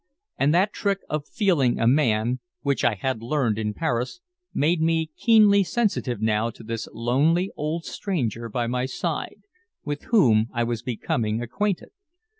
And that trick of feeling a man, which I had learned in Paris, made me keenly sensitive now to this lonely old stranger by my side with whom I was becoming acquainted.